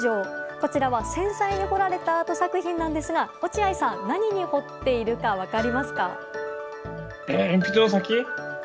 こちらは繊細に彫られたアート作品なんですが落合さん、何に彫っているか分かりますか？